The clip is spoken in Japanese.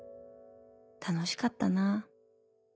楽しかったなぁ。